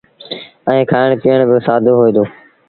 ائيٚݩ کآڻ پيٚئڻ با سآدو هوئي دو۔